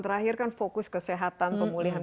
terakhir kan fokus kesehatan pemulihan